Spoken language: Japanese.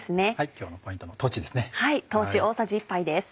今日のポイントの豆ですね。